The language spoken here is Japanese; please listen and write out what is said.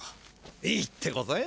いいってことよ。